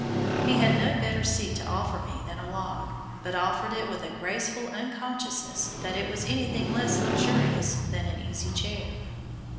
He had no better seat to offer me than a log, but offered it with a graceful unconsciousness that it was anything less luxurious than an easy chair.